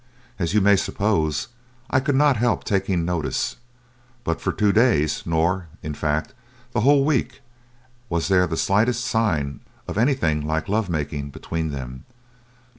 As you may suppose, I could not help taking notice; but for two days, nor, in fact, for the whole week, was there the slightest sign of anything like lovemaking between them.